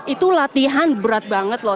itu latihan berat banget loh